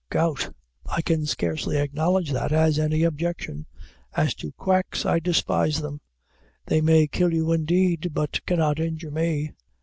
GOUT. I can scarcely acknowledge that as any objection. As to quacks, I despise them; they may kill you indeed, but cannot injure me.